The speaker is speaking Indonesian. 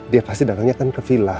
dia pasti datangnya kan ke villa